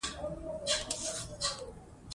بیکاري عیب دی.